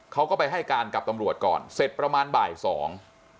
เขาก็ไปให้การกับตำรวจก่อนเสร็จประมาณบ่ายสอง